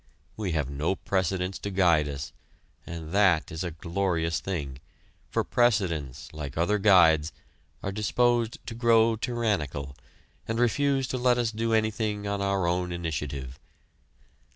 We have no precedents to guide us, and that is a glorious thing, for precedents, like other guides, are disposed to grow tyrannical, and refuse to let us do anything on our own initiative.